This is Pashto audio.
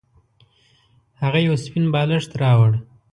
هغه یو سپین بالښت راوړ.